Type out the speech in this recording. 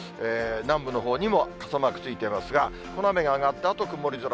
南部のほうにも傘マークついてますが、この雨が上がったあと、曇り空。